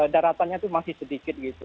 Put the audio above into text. daratannya itu masih sedikit gitu